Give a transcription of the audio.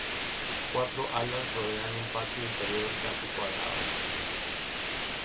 Cuatro alas rodean un patio interior casi cuadrado.